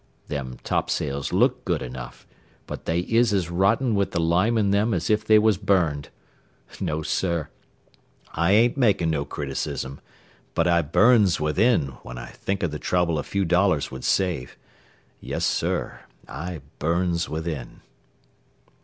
Them topsails look good enough, but they is as rotten with the lime in them as if they was burned. No, sir, I ain't makin' no criticism, but I burns within when I think of the trouble a few dollars would save. Yes, sir, I burns within."